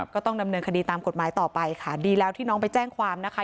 ก็ต้องดำเนินคดีตามกฎหมายต่อไปค่ะดีแล้วที่น้องไปแจ้งความนะคะ